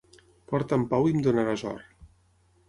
Porta'm pau i em donaràs or.